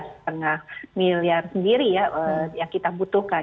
setengah miliar sendiri ya yang kita butuhkan